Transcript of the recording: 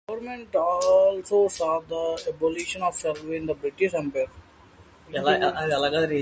His government also saw the abolition of slavery in the British Empire.